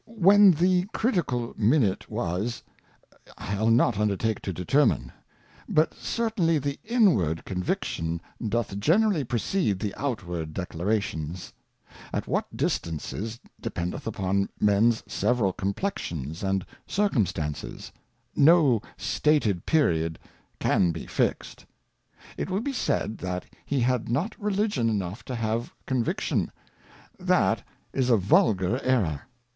When the critical Minute was, V\\ not undertake to determine ; but certainly the inward Con viction doth generally precede the outward Declarations : At what distances, dependeth upon Mens several Complexions and Circumstances ; no stated Period can be fixed. It will be said^that he Jbad not ReligiQDu ,eiiQUgh..J;.Q_have Conviction; that is a vulgar Error.